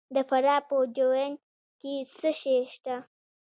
د فراه په جوین کې څه شی شته؟